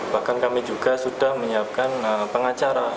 bahkan kami juga sudah menyiapkan pengacara